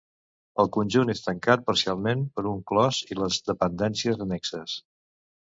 El conjunt és tancat parcialment per un clos i les dependències annexes.